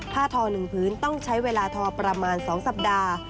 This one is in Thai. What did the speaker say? ทอ๑พื้นต้องใช้เวลาทอประมาณ๒สัปดาห์